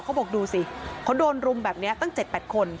เขาบอกดูสิเขาโดนรุมแบบนี้ตั้ง๗๘คน